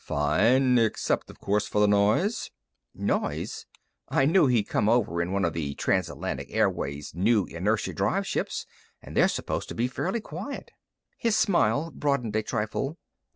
"Fine. Except, of course, for the noise." "Noise?" I knew he'd come over in one of the Transatlantic Airways' new inertia drive ships, and they're supposed to be fairly quiet. His smile broadened a trifle.